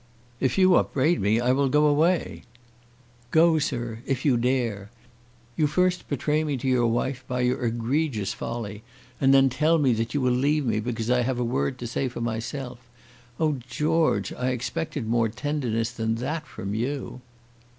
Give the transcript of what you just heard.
"If you upbraid me I will go away." "Go, sir, if you dare. You first betray me to your wife by your egregious folly, and then tell me that you will leave me because I have a word to say for myself. Oh, George, I expected more tenderness than that from you."